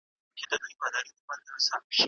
ولي هڅاند سړی د پوه سړي په پرتله ښه ځلېږي؟